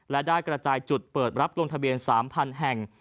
และได้กระจายจุดเปิดรับลงทะเบียน๓๐๐๐แห่ง